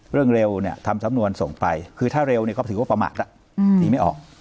เรื่องเร็วทำสำนวนส่งไปคือถ้าเร็วก็ถือว่าประมาทล่ะหนีไม่ออก